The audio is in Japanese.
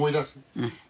うん。